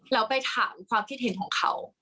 แล้วไปถามความคิดเห็นของเขา